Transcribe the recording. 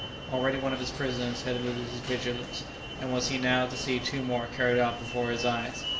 Already one of his prisoners had eluded his vigilance, and was he now to see two more carried off before his eyes?